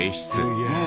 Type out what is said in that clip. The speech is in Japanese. すげえ！